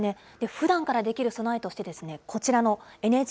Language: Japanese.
ふだんからできる備えとして、こちらのＮＨ